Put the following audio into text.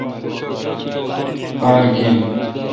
آر گین۔